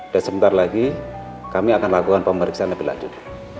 dan sebentar lagi kami akan lakukan pemeriksaan lebih lanjut